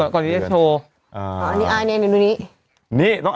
ก่อนทีได้โชว์